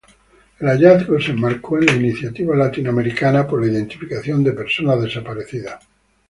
El hallazgo se enmarcó en la Iniciativa Latinoamericana por la Identificación de Personas Desaparecidas.